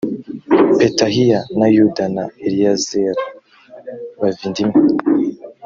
petahiya na yuda na eliyezeri bavindimwe.